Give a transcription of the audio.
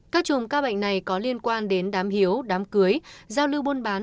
các chùm ca bệnh này có liên quan đến đám hiếu đám cưới giao lưu buôn bán